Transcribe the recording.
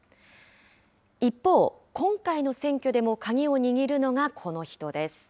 一方、今回の選挙でも鍵を握るのがこの人です。